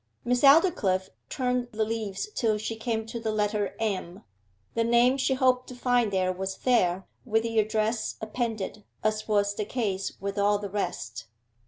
Miss Aldclyffe turned the leaves till she came to the letter M. The name she hoped to find there was there, with the address appended, as was the case with all the rest.